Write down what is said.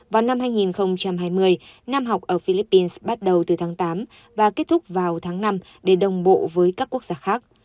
vào năm hai nghìn hai mươi năm học ở philippines bắt đầu từ tháng tám và kết thúc vào tháng năm để đồng bộ với các quốc gia khác